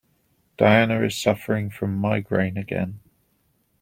Diana is suffering from migraine again.